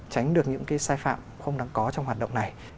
tránh được những cái sai phạm không đáng có trong hoạt động này